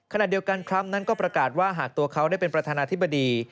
ขณะเดียวกันทรัมป์นั้นก็ประกาศว่าหากตัวเขาได้เป็นประธานาธิบดี